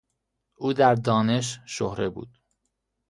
او در دانش شهره بود.